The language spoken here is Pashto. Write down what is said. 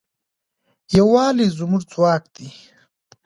یووالی زموږ ځواک دی.